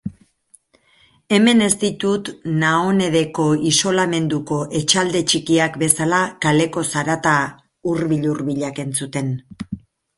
Hemen ez ditut Naonedeko isolamenduko etxarte txikian bezala kaleko zarata hurbil-hurbilak entzuten.